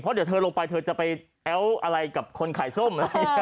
เพราะเดี๋ยวเธอลงไปเธอจะไปแอ้วอะไรกับคนขายส้ม